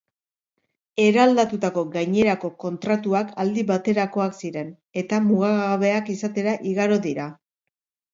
Eraldatutako gainerako kontratuak aldi baterakoak ziren, eta mugagabeak izatera igaro dira.